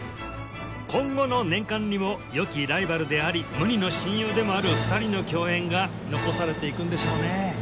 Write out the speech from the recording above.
今後の年鑑にも良きライバルであり無二の親友でもある２人の共演が残されていくんでしょうねえ